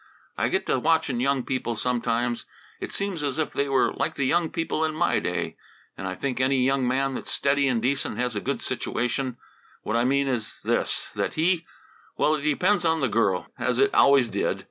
I get to watching young people sometimes it seems as if they were like the young people in my day, and I think any young man that's steady and decent and has a good situation what I mean is this, that he well, it depends on the girl, as it always did."